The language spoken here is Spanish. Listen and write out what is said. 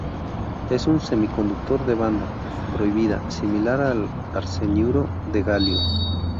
Es un semiconductor de banda prohibida, similar al arseniuro de galio.